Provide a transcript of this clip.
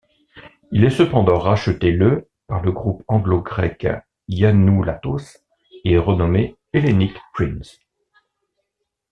Il est cependant racheté le par le groupe anglo-grec Yannoulatos et renommé Hellenic Prince.